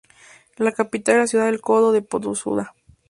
La capital es la ciudad de Codo del Pozuzo.